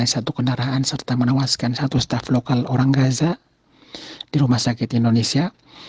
serta menawaskan satu staff lokal orang gaza di rumah sakit indonesia